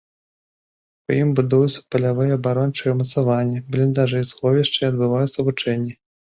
У ім будуюцца палявыя абарончыя ўмацаванні, бліндажы, сховішчы, адбываюцца вучэнні.